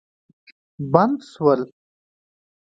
بند سول.